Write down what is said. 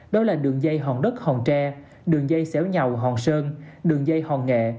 đó là đường dây hòn đất hòn tre đường dây xẻo nhầu hòn sơn đường dây hòn nghệ